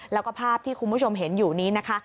แล้วก็ภาพที่คุณผู้ชมเห็นอยู่นี้นะคะ